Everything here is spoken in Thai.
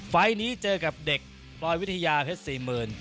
ไฟล์ทนี้เจอกับเด็กปลอยวิทยาเพชรสี่หมื่น